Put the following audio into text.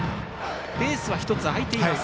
ベースは１つ空いています。